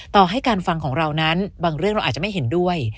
ต่อให้การฟังของเรานั้นบางเรื่องเราอาจจะไม่เห็นด้วย